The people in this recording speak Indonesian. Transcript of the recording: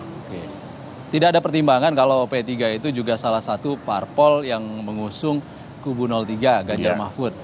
oke tidak ada pertimbangan kalau p tiga itu juga salah satu parpol yang mengusung kubu tiga ganjar mahfud